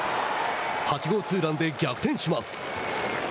８号ツーランで逆転します。